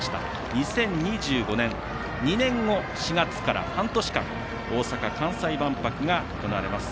２０２５年２年後４月から半年間大阪・関西万博が行われます。